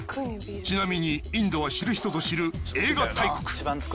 ちなみにインドは知る人ぞ知る映画大国。